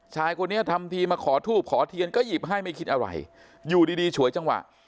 ชายคนนี้ทำทีมาขอทูบขอเทียนก็หยิบให้ไม่คิดอะไรอยู่ดีดีฉวยจังหวะ